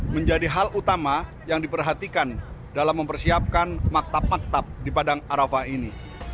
menjadi hal utama yang diperhatikan dalam mempersiapkan maktab maktab di padang arafah ini